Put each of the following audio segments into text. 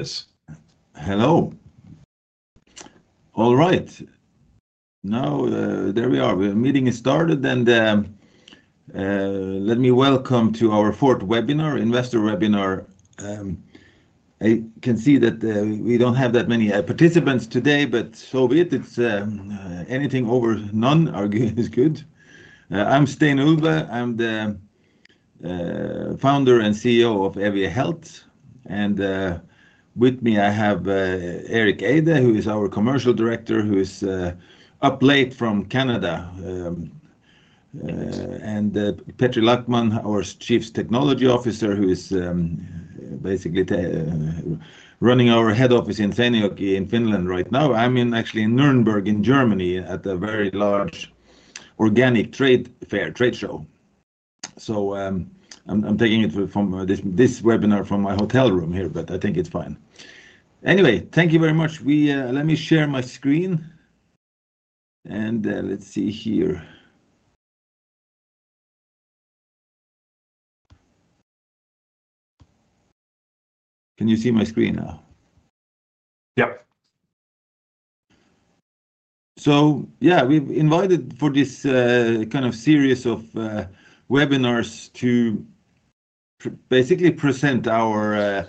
There he is. Hello. All right. Now, there we are. The meeting has started, and let me welcome you to our fourth webinar, investor webinar. I can see that we do not have that many participants today, but so be it. It is, anything over none, I will give it as good. I am Stein Ulve. I am the founder and CEO of Eevia Health. And with me, I have Erik Eide, who is our Commercial Director, who is up late from Canada, and Petri Lackman, our Chief Technology Officer, who is basically running our head office in Seinäjoki in Finland right now. I am actually in Nuremberg in Germany at a very large organic trade fair, trade show. I am taking it from this webinar from my hotel room here, but I think it is fine. Anyway, thank you very much. Let me share my screen. And, let's see here. Can you see my screen now? Yep. Yeah, we've invited for this kind of series of webinars to basically present our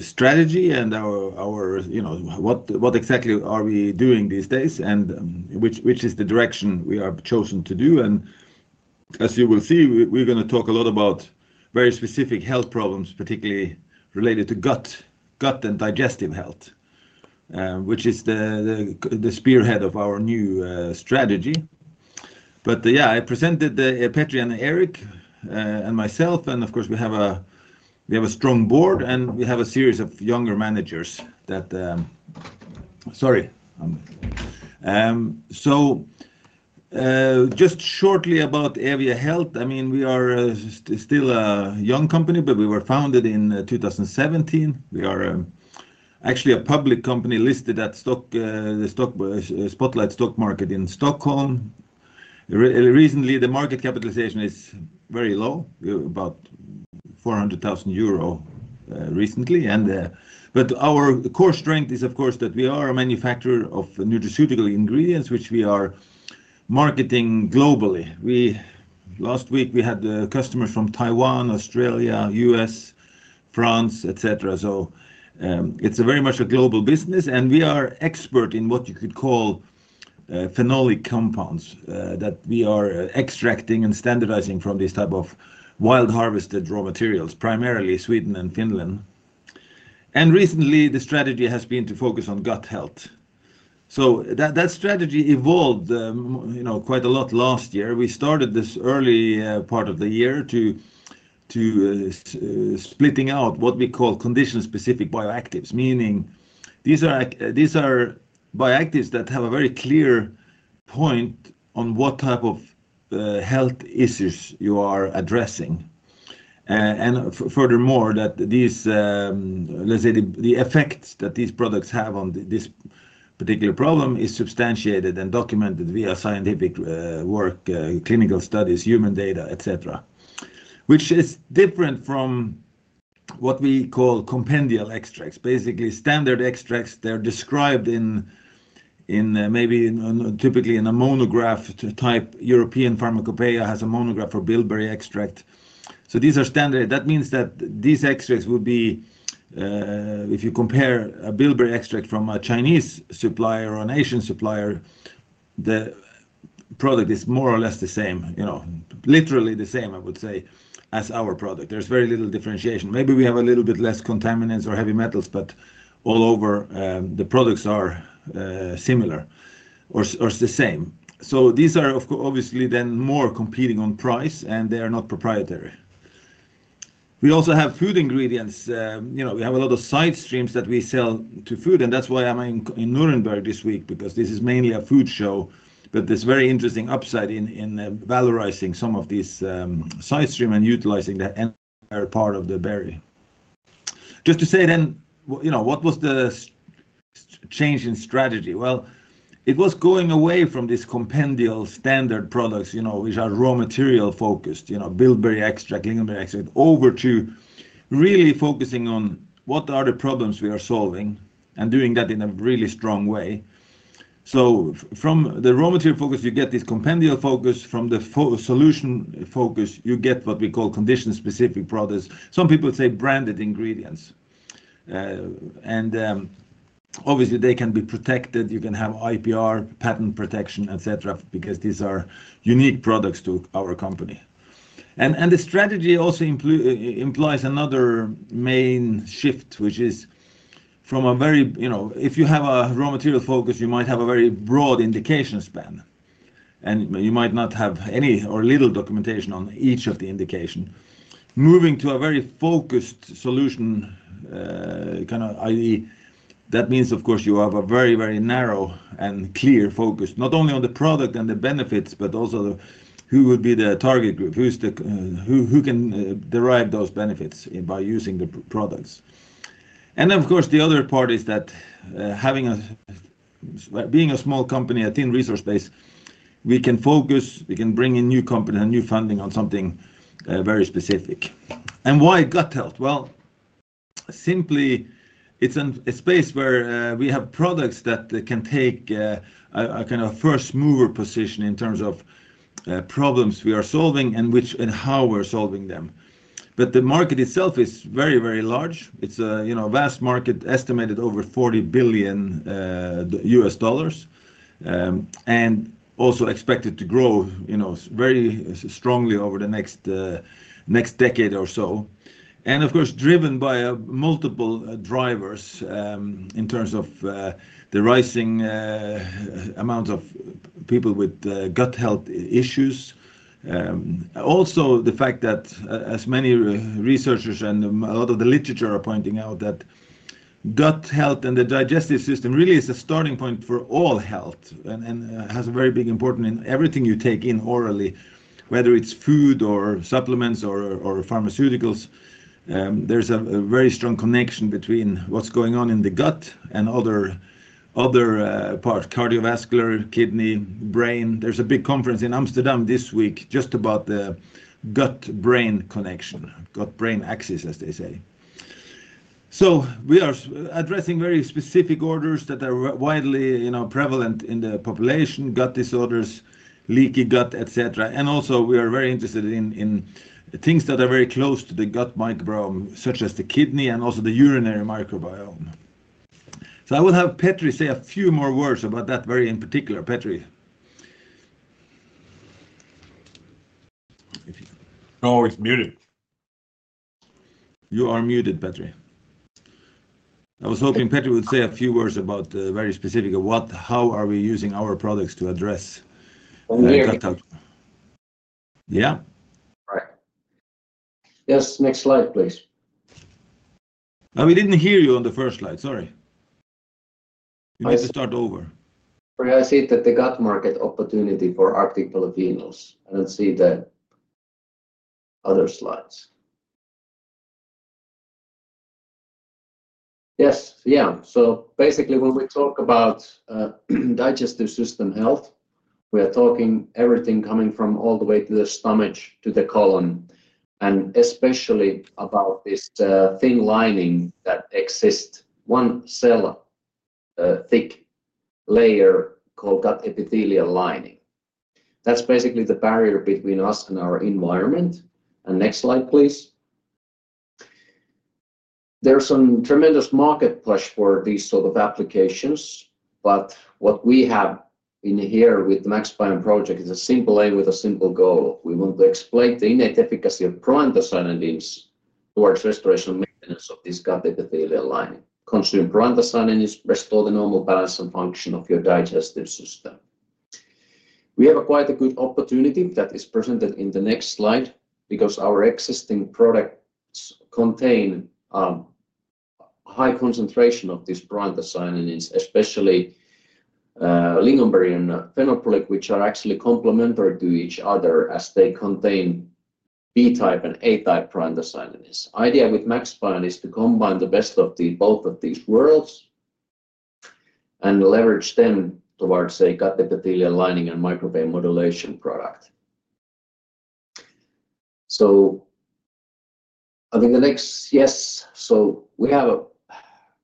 strategy and our, you know, what exactly are we doing these days and which is the direction we have chosen to do. As you will see, we're gonna talk a lot about very specific health problems, particularly related to gut, gut and digestive health, which is the spearhead of our new strategy. Yeah, I presented Petri and Erik and myself. Of course, we have a strong board, and we have a series of younger managers that, sorry, just shortly about Eevia Health. I mean, we are still a young company, but we were founded in 2017. We are actually a public company listed at Spotlight Stock Market in Stockholm. Recently, the market capitalization is very low, about 400,000 euro, recently. Our core strength is, of course, that we are a manufacturer of nutraceutical ingredients, which we are marketing globally. Last week, we had customers from Taiwan, Australia, US, France, etc. It is very much a global business. We are expert in what you could call phenolic compounds, that we are extracting and standardizing from these type of wild-harvested raw materials, primarily Sweden and Finland. Recently, the strategy has been to focus on gut health. That strategy evolved, you know, quite a lot last year. We started this early part of the year to splitting out what we call condition-specific bioactives, meaning these are bioactives that have a very clear point on what type of health issues you are addressing. Furthermore, that these, let's say, the effects that these products have on this particular problem is substantiated and documented via scientific work, clinical studies, human data, etc., which is different from what we call compendial extracts. Basically, standard extracts, they're described in, maybe in a typically in a monograph type. European Pharmacopeia has a monograph for bilberry extract. These are standard. That means that these extracts would be, if you compare a bilberry extract from a Chinese supplier or an Asian supplier, the product is more or less the same, you know, literally the same, I would say, as our product. There's very little differentiation. Maybe we have a little bit less contaminants or heavy metals, but all over, the products are similar or the same. These are, of course, obviously then more competing on price, and they are not proprietary. We also have food ingredients. You know, we have a lot of side streams that we sell to food. That is why I'm in Nuremberg this week, because this is mainly a food show, but there is very interesting upside in valorizing some of these side streams and utilizing that part of the berry. Just to say then, you know, what was the change in strategy? It was going away from these compendial standard products, you know, which are raw material focused, you know, bilberry extract, lingonberry extract, over to really focusing on what are the problems we are solving and doing that in a really strong way. From the raw material focus, you get this compendial focus. From the solution focus, you get what we call condition-specific products. Some people say branded ingredients, and, obviously, they can be protected. You can have IPR, patent protection, etc., because these are unique products to our company. The strategy also implies another main shift, which is from a very, you know, if you have a raw material focus, you might have a very broad indication span, and you might not have any or little documentation on each of the indications, moving to a very focused solution, kind of, i.e., that means, of course, you have a very, very narrow and clear focus, not only on the product and the benefits, but also who would be the target group, who's the, who can derive those benefits by using the products. Of course, the other part is that, having a, being a small company atin resource base, we can focus, we can bring in new company and new funding on something very specific. Why gut health? It's a space where we have products that can take a kind of first mover position in terms of problems we are solving and which and how we're solving them. The market itself is very, very large. It's a, you know, vast market estimated over $40 billion, and also expected to grow, you know, very strongly over the next decade or so. Of course, driven by multiple drivers, in terms of the rising amounts of people with gut health issues. Also the fact that, as many researchers and a lot of the literature are pointing out, gut health and the digestive system really is a starting point for all health and has a very big importance in everything you take in orally, whether it's food or supplements or pharmaceuticals. is a very strong connection between what is going on in the gut and other, other parts, cardiovascular, kidney, brain. There is a big conference in Amsterdam this week just about the gut-brain connection, gut-brain axis, as they say. We are addressing very specific orders that are widely, you know, prevalent in the population, gut disorders, leaky gut, etc. We are very interested in things that are very close to the gut microbiome, such as the kidney and also the urinary microbiome. I will have Petri say a few more words about that very in particular. Petri. Oh, it's muted. You are muted, Petri. I was hoping Petri would say a few words about the very specific of what, how are we using our products to address. Yeah. Yeah? Right. Yes. Next slide, please. We didn't hear you on the first slide. Sorry. We need to start over. I see that the gut market opportunity for Arctic Polyphenols. I do not see the other slides. Yes. Yeah. Basically, when we talk about digestive system health, we are talking everything coming from all the way to the stomach to the colon, and especially about this thin lining that exists, one cell thick layer called gut epithelial lining. That is basically the barrier between us and our environment. Next slide, please. There is some tremendous market push for these sort of applications. What we have in here with the MaxBIOME™ project is a simple aim with a simple goal. We want to exploit the innate efficacy of proanthocyanidins towards restoration and maintenance of this gut epithelial lining. Consume proanthocyanidins, restore the normal balance and function of your digestive system. We have quite a good opportunity that is presented in the next slide because our existing products contain high concentration of these proanthocyanidins, especially lingonberry and Fenoprolic, which are actually complementary to each other as they contain B-type and A-type proanthocyanidins. The idea with MaxBiome is to combine the best of both of these worlds and leverage them towards, say, gut epithelial lining and microbial modulation product. I think the next, yes. We have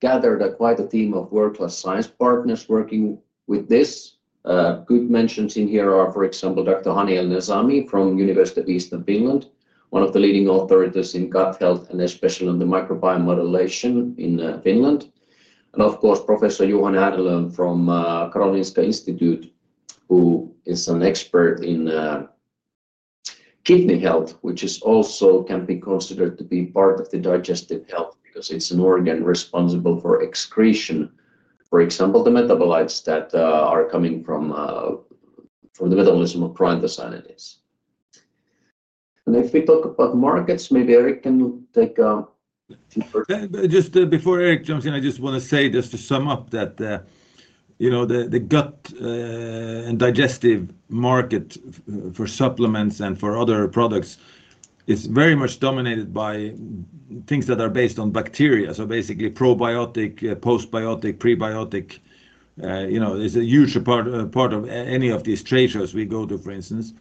gathered quite a team of world-class science partners working with this. Good mentions in here are, for example, Dr. Hani El-Nezami from University of Eastern Finland, one of the leading authorities in gut health and especially on the microbiome modulation in Finland. Of course, Professor Johan Edlund from Karolinska Institute, who is an expert in kidney health, which also can be considered to be part of the digestive health because it's an organ responsible for excretion, for example, the metabolites that are coming from the metabolism of proanthocyanidins. If we talk about markets, maybe Erik can take a deeper. Just before Erik jumps in, I just want to say just to sum up that, you know, the gut and digestive market for supplements and for other products is very much dominated by things that are based on bacteria. Basically, probiotic, postbiotic, prebiotic, you know, is a huge part of any of these trade shows we go to, for instance.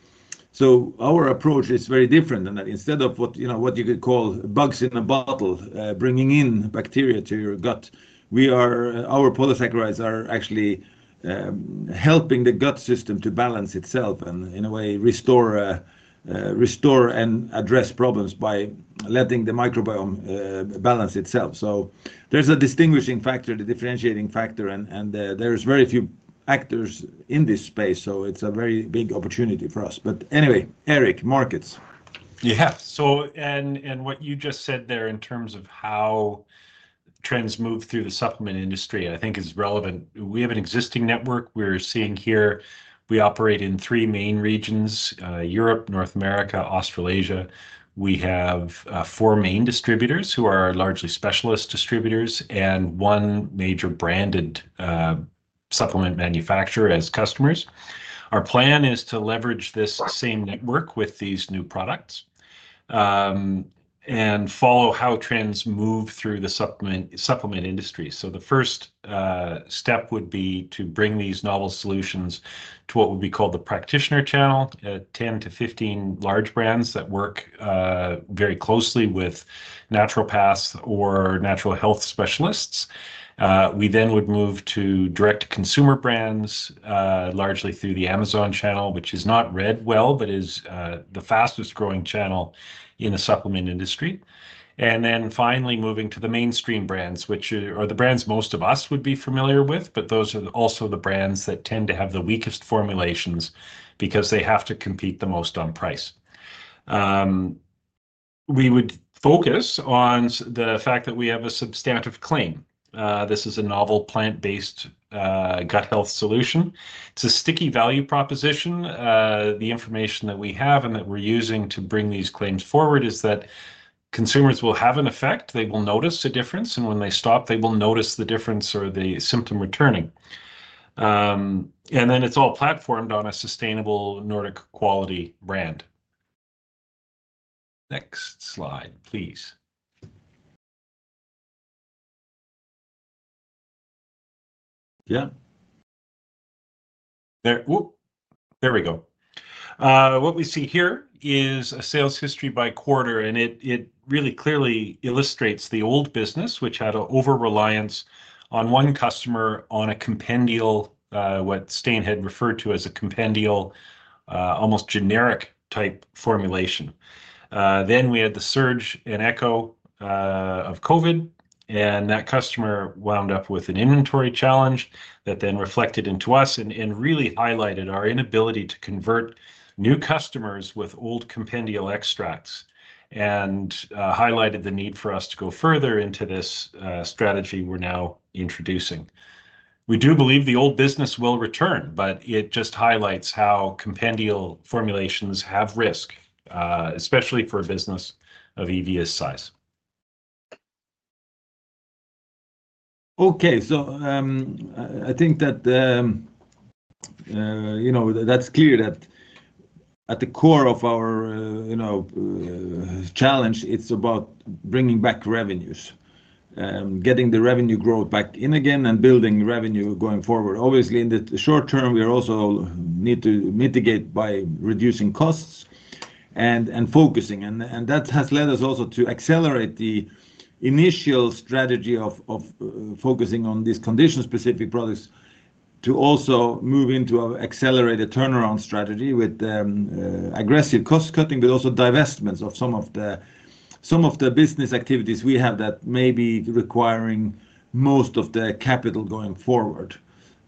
Our approach is very different than that. Instead of what you could call bugs in a bottle, bringing in bacteria to your gut, our polysaccharides are actually helping the gut system to balance itself and in a way restore and address problems by letting the microbiome balance itself. There is a distinguishing factor, the differentiating factor, and there are very few actors in this space. It is a very big opportunity for us. Anyway, Erik, markets. Yeah. What you just said there in terms of how trends move through the supplement industry, I think is relevant. We have an existing network we're seeing here. We operate in three main regions, Europe, North America, Australasia. We have four main distributors who are largely specialist distributors and one major branded supplement manufacturer as customers. Our plan is to leverage this same network with these new products, and follow how trends move through the supplement industry. The first step would be to bring these novel solutions to what would be called the practitioner channel, 10-15 large brands that work very closely with Naturopaths or natural health specialists. We then would move to direct-to-consumer brands, largely through the Amazon channel, which is not read well, but is the fastest growing channel in the supplement industry. Finally, moving to the mainstream brands, which are the brands most of us would be familiar with, those are also the brands that tend to have the weakest formulations because they have to compete the most on price. We would focus on the fact that we have a substantive claim. This is a novel plant-based, gut health solution. It's a sticky value proposition. The information that we have and that we're using to bring these claims forward is that consumers will have an effect. They will notice a difference. And when they stop, they will notice the difference or the symptom returning. It is all platformed on a sustainable Nordic quality brand. Next slide, please. Yeah. There. Oop. There we go. What we see here is a sales history by quarter. It really clearly illustrates the old business, which had an over-reliance on one customer on a compendial, what Stein had referred to as a compendial, almost generic type formulation. We had the surge and echo of COVID. That customer wound up with an inventory challenge that then reflected into us and really highlighted our inability to convert new customers with old compendial extracts and highlighted the need for us to go further into this strategy we're now introducing. We do believe the old business will return, but it just highlights how compendial formulations have risk, especially for a business of Eevia Health's size. Okay. I think that, you know, that's clear that at the core of our, you know, challenge, it's about bringing back revenues, getting the revenue growth back in again and building revenue going forward. Obviously, in the short term, we also need to mitigate by reducing costs and focusing. That has led us also to accelerate the initial strategy of focusing on these condition-specific products to also move into an accelerated turnaround strategy with aggressive cost cutting, but also divestments of some of the business activities we have that may be requiring most of the capital going forward.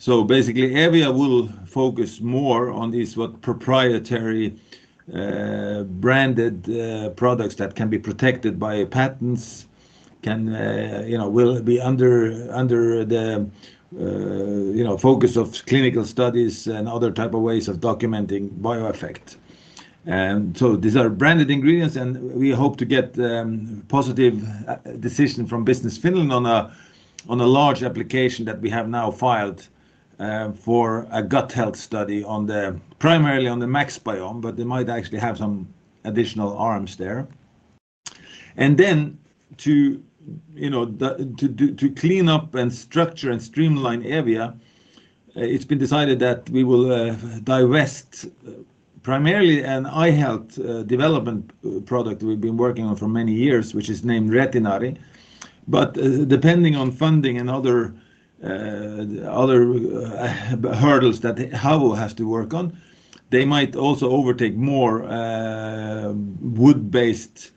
Basically, Eevia will focus more on these, what, proprietary, branded products that can be protected by patents, can, you know, will be under the, you know, focus of clinical studies and other type of ways of documenting bio-effect. These are branded ingredients. We hope to get a positive decision from Business Finland on a large application that we have now filed for a gut health study, primarily on the MaxBiome, but they might actually have some additional arms there. To clean up and structure and streamline Eevia, it has been decided that we will divest primarily an eye health development product we have been working on for many years, which is named Retinari. Depending on funding and other hurdles that Havu has to work on, they might also overtake more wood-based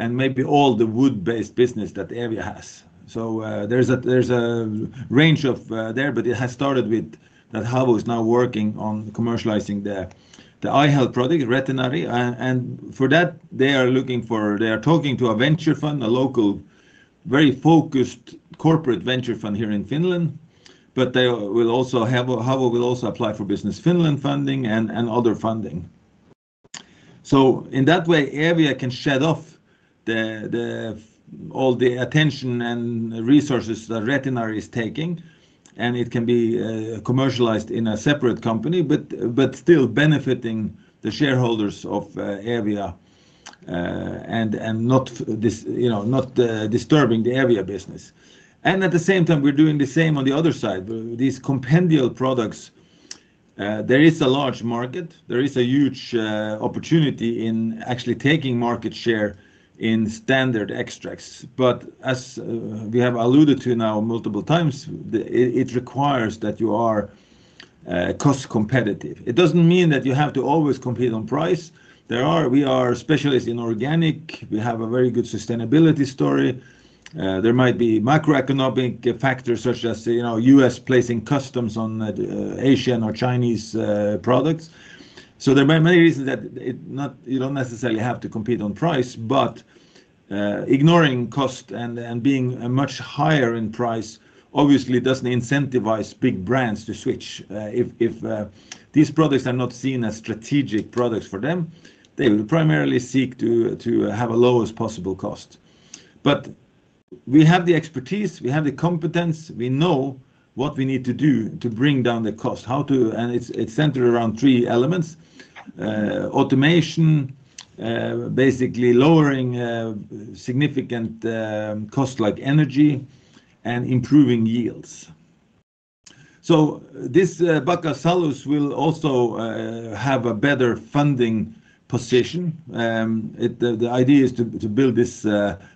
and maybe all the wood-based business that Eevia has. There is a range there, but it has started with Havu now working on commercializing the eye health product, Retinari. For that, they are looking for, they are talking to a venture fund, a local, very focused corporate venture fund here in Finland. They will also have, Havu will also apply for Business Finland funding and other funding. In that way, Eevia can shed off all the attention and resources that Retinari is taking, and it can be commercialized in a separate company, but still benefiting the shareholders of Eevia, and not this, you know, not disturbing the Eevia business. At the same time, we're doing the same on the other side. These compendial products, there is a large market. There is a huge opportunity in actually taking market share in standard extracts. As we have alluded to now multiple times, it requires that you are cost competitive. It doesn't mean that you have to always compete on price. We are specialists in organic. We have a very good sustainability story. There might be macroeconomic factors such as, you know, US placing customs on Asian or Chinese products. There are many reasons that you do not necessarily have to compete on price, but ignoring cost and being much higher in price obviously does not incentivize big brands to switch. If these products are not seen as strategic products for them, they will primarily seek to have a lowest possible cost. We have the expertise. We have the competence. We know what we need to do to bring down the cost, how to, and it is centered around three elements: automation, basically lowering significant costs like energy, and improving yields. This Buckasalu will also have a better funding position. The idea is to build this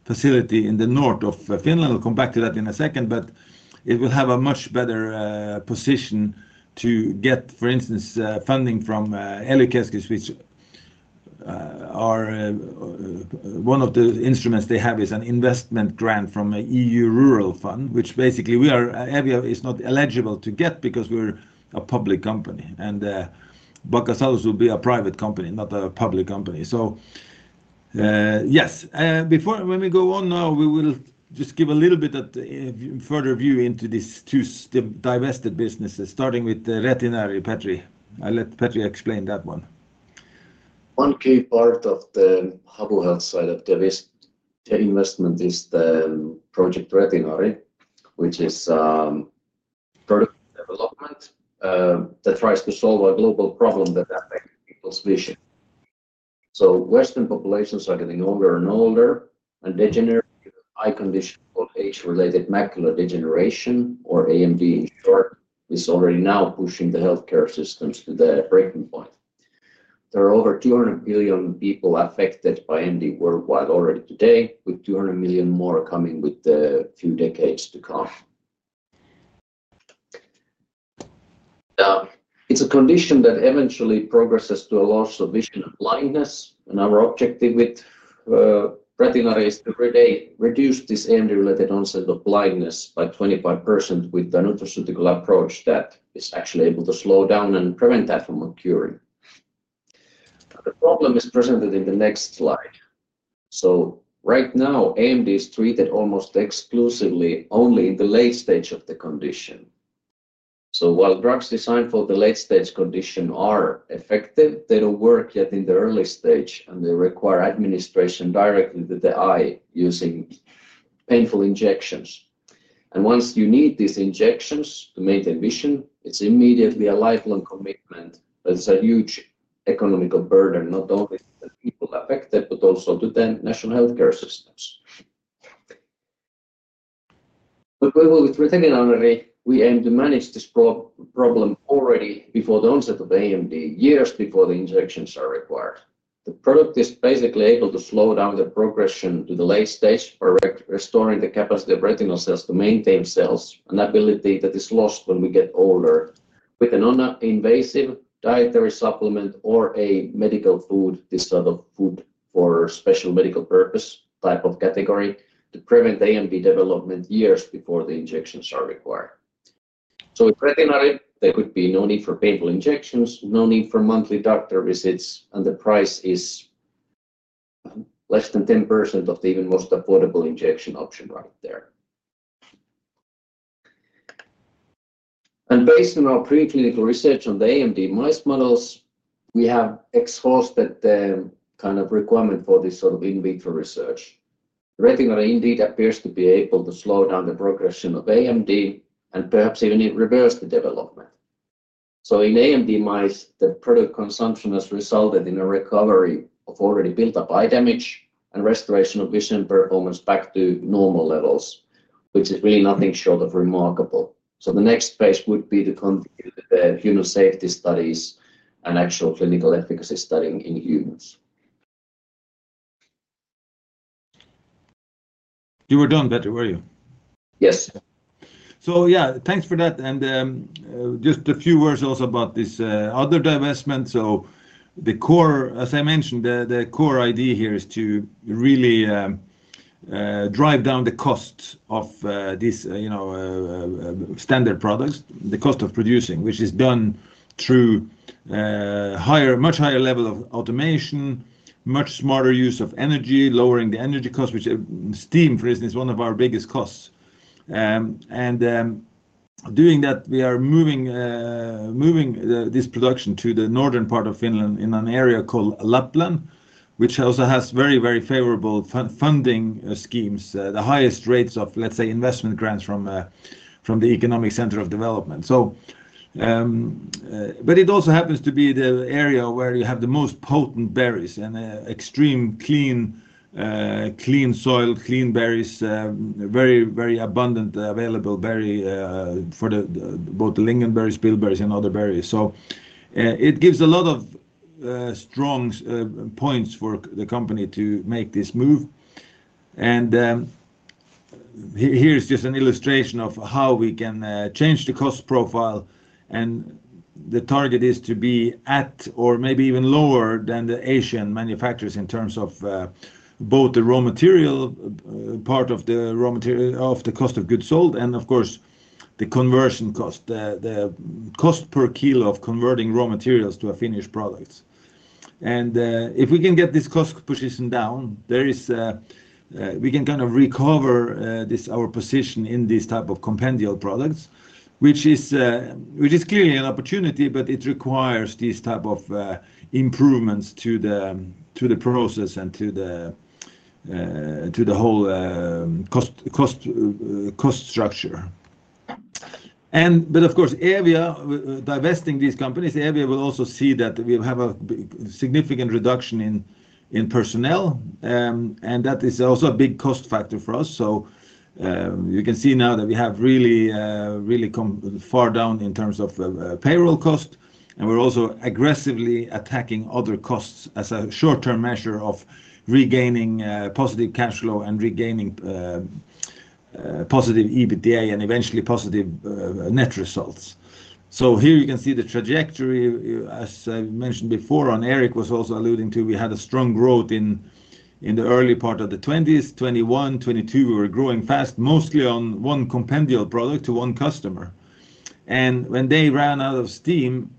facility in the north of Finland. I'll come back to that in a second, but it will have a much better position to get, for instance, funding from ELY-keskus, which are, one of the instruments they have is an investment grant from an EU rural fund, which basically we are, Eevia is not eligible to get because we're a public company. Buckasalu will be a private company, not a public company. Yes. Before, when we go on now, we will just give a little bit of further view into these two divested businesses, starting with the Retinari Petri. I'll let Petri explain that one. One key part of the Havu Health side of the investment is the project Retinari, which is product development that tries to solve a global problem that affects people's vision. Western populations are getting older and older, and a degenerative eye condition called age-related macular degeneration, or AMD in short, is already now pushing the healthcare systems to the breaking point. There are over 200 million people affected by AMD worldwide already today, with 200 million more coming with the few decades to come. It is a condition that eventually progresses to a loss of vision and blindness. Our objective with Retinari is to reduce this AMD-related onset of blindness by 25% with the Nutraceutical approach that is actually able to slow down and prevent that from occurring. The problem is presented in the next slide. Right now, AMD is treated almost exclusively only in the late stage of the condition. While drugs designed for the late stage condition are effective, they do not work yet in the early stage, and they require administration directly to the eye using painful injections. Once you need these injections to maintain vision, it is immediately a lifelong commitment. That is a huge economical burden, not only to the people affected, but also to the national healthcare systems. With Retinari, we aim to manage this problem already before the onset of AMD, years before the injections are required. The product is basically able to slow down the progression to the late stage by restoring the capacity of retinal cells to maintain cells, an ability that is lost when we get older. With an invasive dietary supplement or a medical food, this sort of food for special medical purpose type of category to prevent AMD development years before the injections are required. With Retinari, there could be no need for painful injections, no need for monthly doctor visits, and the price is less than 10% of the even most affordable injection option right there. Based on our preclinical research on the AMD mice models, we have exhausted the kind of requirement for this sort of in vitro research. Retinari indeed appears to be able to slow down the progression of AMD and perhaps even reverse the development. In AMD mice, the product consumption has resulted in a recovery of already built-up eye damage and restoration of vision performance back to normal levels, which is really nothing short of remarkable. The next phase would be to continue with the human safety studies and actual clinical efficacy studying in humans. You were done, Petri, were you? Yes. Yeah, thanks for that. Just a few words also about this other divestment. The core, as I mentioned, the core idea here is to really drive down the cost of these, you know, standard products, the cost of producing, which is done through higher, much higher level of automation, much smarter use of energy, lowering the energy cost, which steam, for instance, is one of our biggest costs. Doing that, we are moving this production to the northern part of Finland in an area called Lapland, which also has very, very favorable funding schemes, the highest rates of, let's say, investment grants from the Economic Center of Development. It also happens to be the area where you have the most potent berries and extremely clean, clean soil, clean berries, very, very abundant available berry, for both the lingonberries, bilberries, and other berries. It gives a lot of strong points for the company to make this move. Here's just an illustration of how we can change the cost profile. The target is to be at or maybe even lower than the Asian manufacturers in terms of both the raw material, part of the raw material of the cost of goods sold, and of course, the conversion cost, the cost per kilo of converting raw materials to a finished product. If we can get this cost position down, we can kind of recover our position in these type of compendial products, which is clearly an opportunity, but it requires these type of improvements to the process and to the whole cost structure. Of course, Eevia divesting these companies will also mean that we have a significant reduction in personnel, and that is also a big cost factor for us. You can see now that we have really, really far down in terms of payroll cost. We are also aggressively attacking other costs as a short-term measure of regaining positive cash flow and regaining positive EBITDA and eventually positive net results. Here you can see the trajectory, as I mentioned before, Erik was also alluding to, we had strong growth in the early part of the 2020s, 2021, 2022, we were growing fast, mostly on one compendial product to one customer. When they ran out of steam,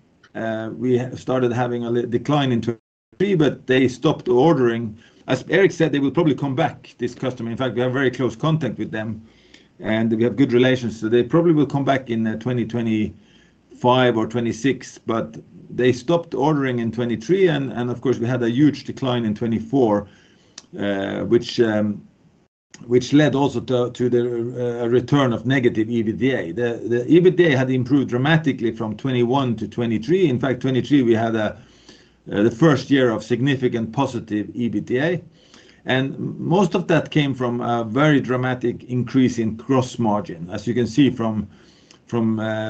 we started having a decline into 2023, they stopped ordering. As Erik said, they will probably come back, this customer. In fact, we have very close contact with them, and we have good relations. They probably will come back in 2025 or 2026, but they stopped ordering in 2023. Of course, we had a huge decline in 2024, which led also to the return of negative EBITDA. The EBITDA had improved dramatically from 2021 to 2023. In fact, 2023, we had the first year of significant positive EBITDA. Most of that came from a very dramatic increase in gross margin, as you can see from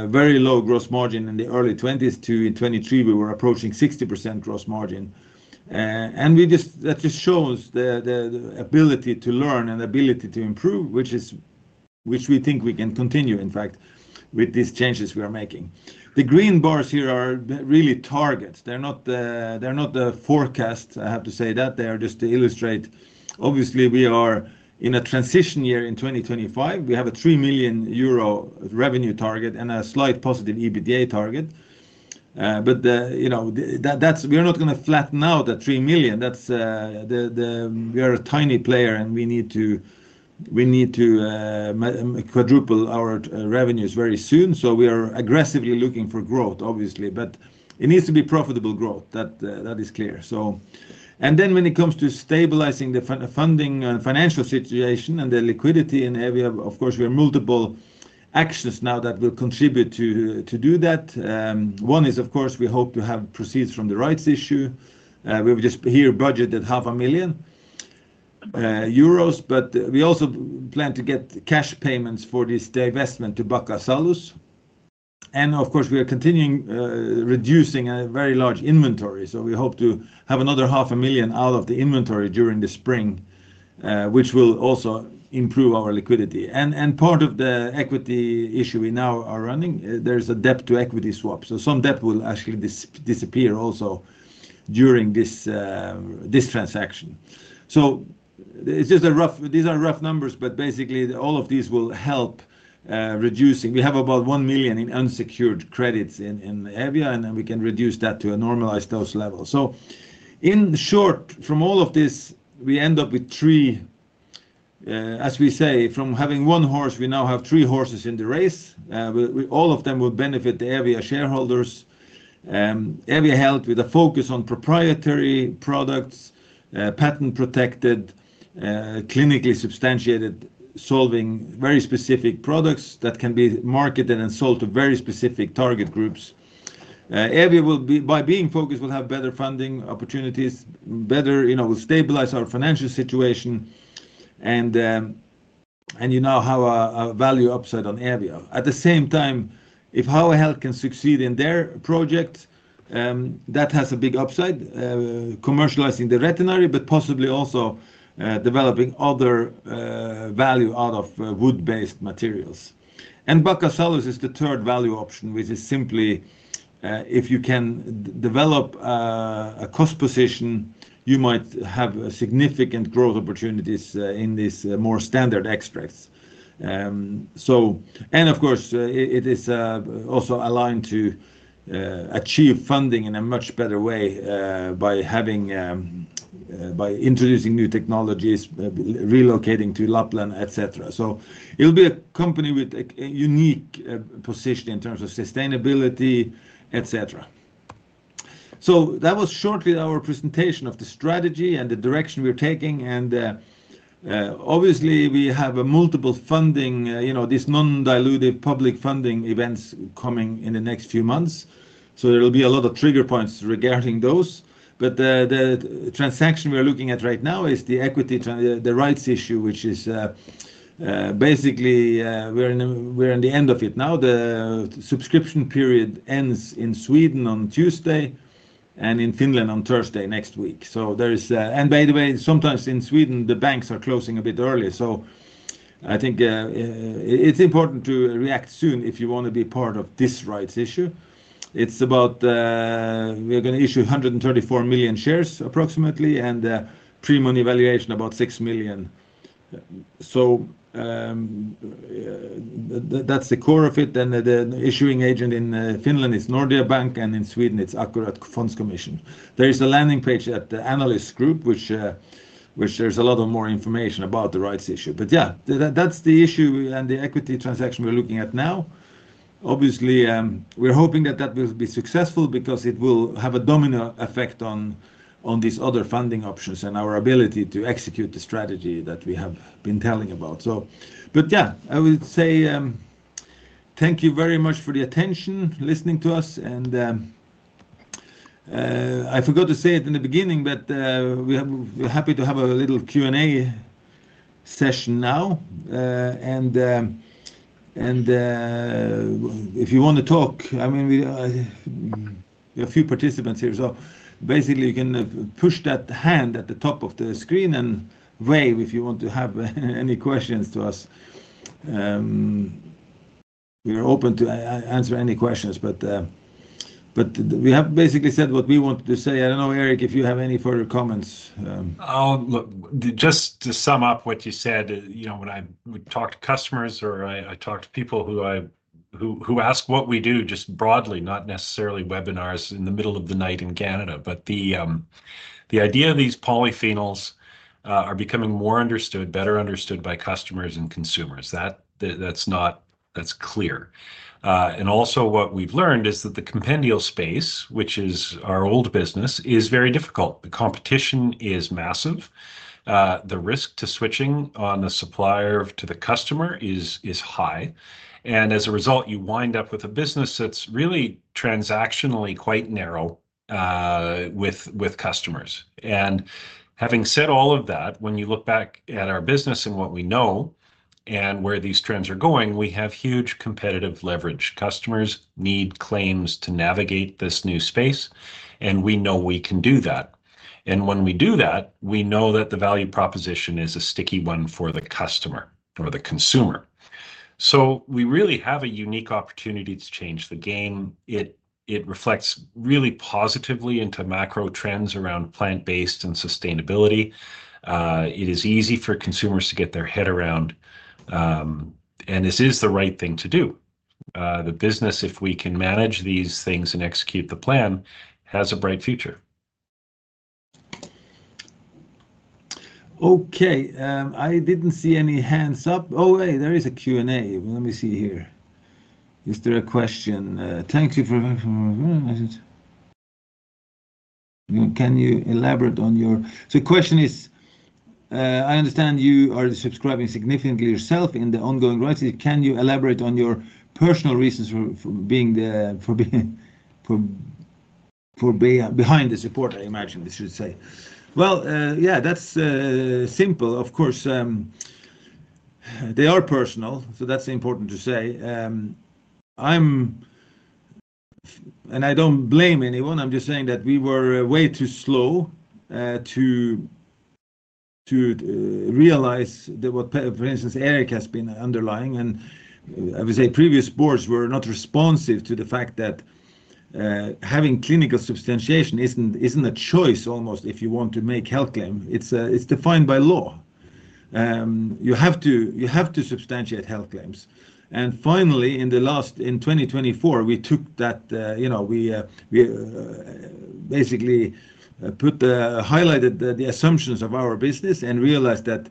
very low gross margin in the early 2020s to 2023, we were approaching 60% gross margin. That just shows the ability to learn and ability to improve, which is, which we think we can continue, in fact, with these changes we are making. The green bars here are really targets. They're not the forecast, I have to say that. They are just to illustrate. Obviously, we are in a transition year in 2025. We have a 3 million euro revenue target and a slight positive EBITDA target. The, you know, that's, we're not going to flatten out at 3 million. That's, we are a tiny player and we need to quadruple our revenues very soon. We are aggressively looking for growth, obviously, but it needs to be profitable growth. That is clear. When it comes to stabilizing the funding and financial situation and the liquidity in Eevia, of course, we have multiple actions now that will contribute to do that. One is, of course, we hope to have proceeds from the rights issue. We have just here budgeted 500,000 euros, but we also plan to get cash payments for this divestment to Buckasalu. Of course, we are continuing reducing a very large inventory. We hope to have another 500,000 out of the inventory during the spring, which will also improve our liquidity. Part of the equity issue we now are running, there is a debt to equity swap. Some debt will actually disappear also during this transaction. It's just a rough, these are rough numbers, but basically all of these will help, reducing. We have about 1 million in unsecured credits in Eevia, and then we can reduce that to a normalized dose level. In short, from all of this, we end up with three, as we say, from having one horse, we now have three horses in the race. All of them will benefit the Eevia shareholders. Eevia helped with a focus on proprietary products, patent protected, clinically substantiated, solving very specific products that can be marketed and sold to very specific target groups. Eevia will be, by being focused, will have better funding opportunities, better, you know, will stabilize our financial situation. You now have a value upside on Eevia. At the same time, if Havu Health can succeed in their project, that has a big upside, commercializing the Retinari, but possibly also, developing other, value out of wood-based materials. Buckasalu is the third value option, which is simply, if you can develop, a cost position, you might have significant growth opportunities, in these more standard extracts. Of course, it is also aligned to achieve funding in a much better way, by having, by introducing new technologies, relocating to Lapland, et cetera. It will be a company with a unique position in terms of sustainability, et cetera. That was shortly our presentation of the strategy and the direction we're taking. Obviously we have multiple funding, you know, these non-dilutive public funding events coming in the next few months. There will be a lot of trigger points regarding those. The transaction we're looking at right now is the equity, the rights issue, which is, basically, we're in the end of it now. The subscription period ends in Sweden on Tuesday and in Finland on Thursday next week. There is, and by the way, sometimes in Sweden, the banks are closing a bit early. I think it's important to react soon if you want to be part of this rights issue. It's about, we're going to issue 134 million shares approximately and, pre-money valuation about 6 million. That's the core of it. The issuing agent in Finland is Nordea Bank, and in Sweden, it's Akkurat Fondkommission. There is a landing page at the Analyst Group, which, which there's a lot of more information about the rights issue. That's the issue and the equity transaction we're looking at now. Obviously, we're hoping that that will be successful because it will have a domino effect on these other funding options and our ability to execute the strategy that we have been telling about. I would say, thank you very much for the attention, listening to us. I forgot to say it in the beginning, but we have, we're happy to have a little Q&A session now. And if you want to talk, I mean, we have a few participants here. Basically, you can push that hand at the top of the screen and wave if you want to have any questions to us. We're open to answer any questions, but we have basically said what we wanted to say. I don't know, Erik, if you have any further comments. I'll just sum up what you said, you know, when I would talk to customers or I talk to people who ask what we do just broadly, not necessarily webinars in the middle of the night in Canada, but the idea of these polyphenols are becoming more understood, better understood by customers and consumers. That's clear. Also, what we've learned is that the compendial space, which is our old business, is very difficult. The competition is massive. The risk to switching on the supplier to the customer is high. As a result, you wind up with a business that's really transactionally quite narrow with customers. Having said all of that, when you look back at our business and what we know and where these trends are going, we have huge competitive leverage. Customers need claims to navigate this new space, and we know we can do that. When we do that, we know that the value proposition is a sticky one for the customer or the consumer. We really have a unique opportunity to change the game. It reflects really positively into macro trends around plant-based and sustainability. It is easy for consumers to get their head around, and this is the right thing to do. The business, if we can manage these things and execute the plan, has a bright future. Okay. I didn't see any hands up. Oh, hey, there is a Q&A. Let me see here. Is there a question? Thank you for, can you elaborate on your, so the question is, I understand you are subscribing significantly yourself in the ongoing rights. Can you elaborate on your personal reasons for, for being the, for being, for, for behind the support, I imagine they should say. Yeah, that's simple. Of course, they are personal, so that's important to say. I'm, and I don't blame anyone. I'm just saying that we were way too slow to realize that what, for instance, Erik has been underlying. I would say previous boards were not responsive to the fact that having clinical substantiation isn't a choice almost if you want to make health claim. It's defined by law. You have to substantiate health claims. Finally, in the last, in 2024, we took that, you know, we basically put the, highlighted the assumptions of our business and realized that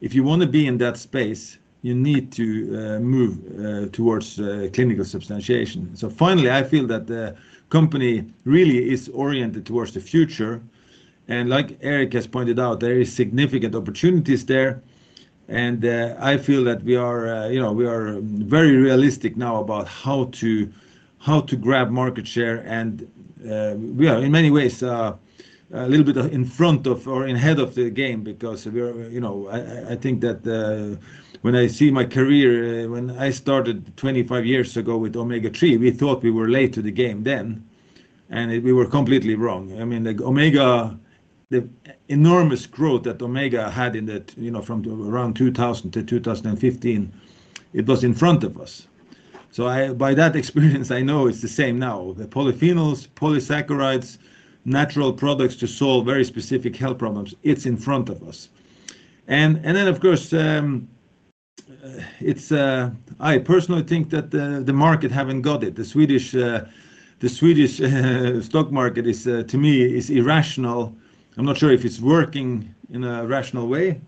if you want to be in that space, you need to move towards clinical substantiation. Finally, I feel that the company really is oriented towards the future. Like Erik has pointed out, there are significant opportunities there. I feel that we are, you know, we are very realistic now about how to grab market share. We are in many ways, a little bit in front of or ahead of the game because we are, you know, I think that when I see my career, when I started 25 years ago with Omega 3, we thought we were late to the game then. We were completely wrong. I mean, the Omega, the enormous growth that Omega had in that, you know, from around 2000 to 2015, it was in front of us. I, by that experience, know it's the same now. The polyphenols, polysaccharides, natural products to solve very specific health problems, it's in front of us. I personally think that the market haven't got it. The Swedish stock market is, to me, irrational. I'm not sure if it's working in a rational way.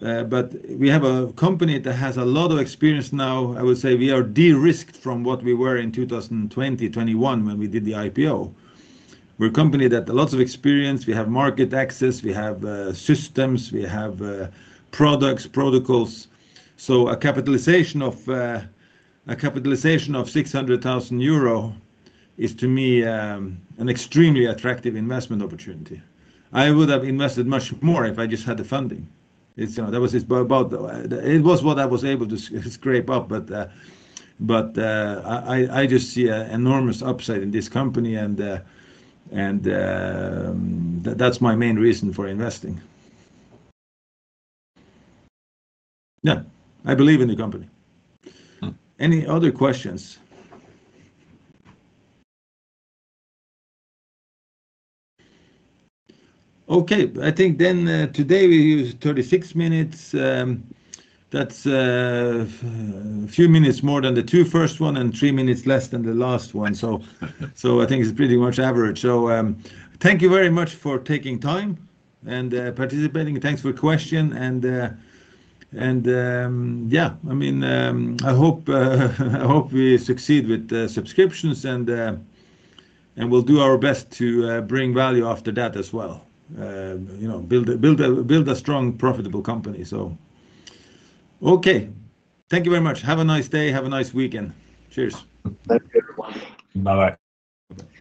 We have a company that has a lot of experience now. I would say we are de-risked from what we were in 2020, 2021 when we did the IPO. We're a company that has lots of experience. We have market access. We have systems. We have products, protocols. A capitalization of 600,000 euro is to me, an extremely attractive investment opportunity. I would have invested much more if I just had the funding. You know, that was about, it was what I was able to scrape up. I just see an enormous upside in this company, and that's my main reason for investing. Yeah, I believe in the company. Any other questions? Okay. I think then, today we use 36 minutes. That's a few minutes more than the two first one and three minutes less than the last one. I think it's pretty much average. Thank you very much for taking time and participating. Thanks for the question. Yeah, I mean, I hope we succeed with the subscriptions and we'll do our best to bring value after that as well. you know, build a strong, profitable company. Okay. Thank you very much. Have a nice day. Have a nice weekend. Cheers. Thank you, everyone. Bye-bye.